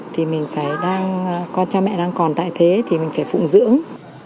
thì mình phải đang con cha mẹ đang còn tại thế thì mình phải phụng dưỡng